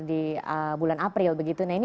di bulan april begitu nah ini